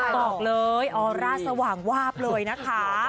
บอกเลยออร่าสว่างวาบเลยนะคะ